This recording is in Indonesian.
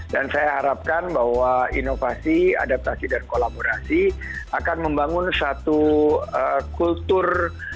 dan saya harapkan bahwa inovasi adaptasi dan kolaborasi akan membangun satu kultur